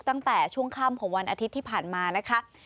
ตั้งแต่ช่วงค่ำของวันอาทิตย์ที่ผ่านมานะคะ